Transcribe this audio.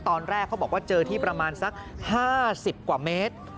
ตอนแรกเขาบอกว่าเจอที่ประมาณสัก๕๐กว่าเมตร